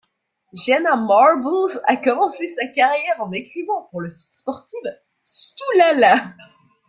Jenna Marbles a commencé sa carrière en écrivant pour le site sportif StoolLaLa.